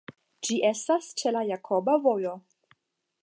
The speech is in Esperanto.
Ĝi estas ĉe la Jakoba Vojo.